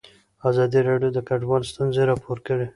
ازادي راډیو د کډوال ستونزې راپور کړي.